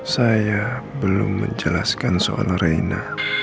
saya belum menjelaskan soal reina